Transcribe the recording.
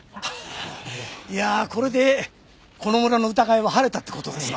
いやあこれでこの村の疑いは晴れたって事ですな。